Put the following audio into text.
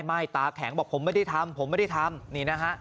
ไม่ตาแข็งบอกผมไม่ได้ทำผมไม่ได้ทำนี่นะฮะ